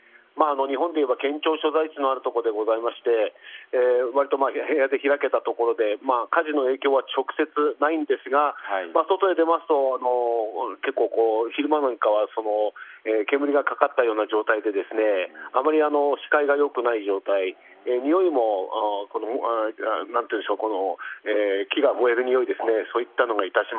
日本でいえば県庁所在地のあるところでありまして割と平野で開けたところで火事の影響は直接ないんですが、外に出ますと結構、昼間なんかは煙がかかったような状態であまり視界が良くない状態においも木が燃えるにおいですか